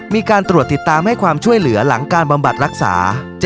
มีการตรวจติดตามให้ความช่วยเหลือหลังการบำบัดรักษา